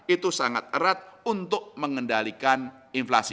itu sangat erat untuk mengendalikan inflasi